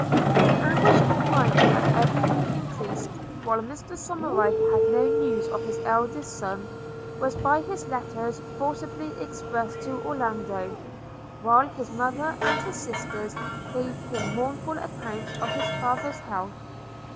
The anguish of mind that every week increased, while Mr Somerive had no news of his eldest son, was by his letters forcibly expressed to Orlando, while his mother and his sisters gave him mournful accounts of his father's health.